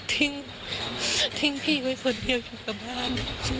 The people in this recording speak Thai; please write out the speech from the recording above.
ทิ้งพี่ไว้คนเดียวอยู่กับบ้าน